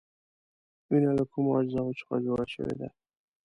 وینه له کومو اجزاوو څخه جوړه شوې ده؟